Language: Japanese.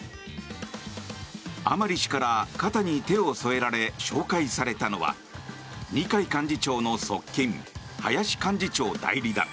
甘利氏から肩に手を添えられ紹介されたのは二階幹事長の側近林幹事長代理だ。